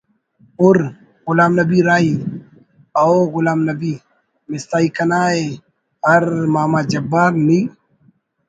ہُر……غلام نبی راہی ……اؤ غلام نبی …… مستائی کنا ءِ …… اَرّ ماما جبار نی